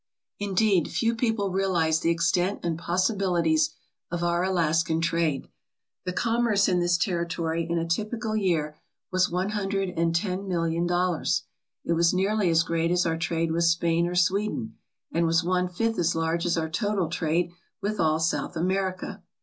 Indeed, few people realize the extent and possibilities of our Alaskan trade. The commerce in this territory in a typical year was one hundred and ten million dollars. 1 1 was nearly as great as our trade with Spain or Sweden, and was one fifth as large as our total trade with all South America.